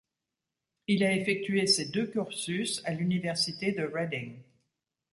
Il a effectué ces deux cursus à l'université de Reading.